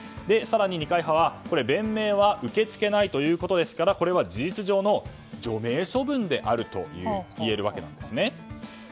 更に、二階派は弁明は受け付けないということですからこれは事実上の除名処分であると言えるわけなんですね。